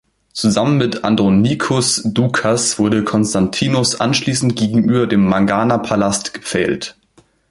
Zusammen mit Andronikos Dukas wurde Konstantinos anschließend gegenüber dem Mangana-Palast gepfählt.